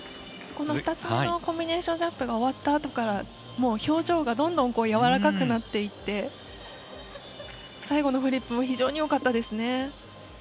２つ目のコンビネーションジャンプが終わった後から表情がどんどん柔らかくなっていって最後のフリップも非常によかったですね。